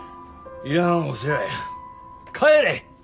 いらんお世話や帰れ！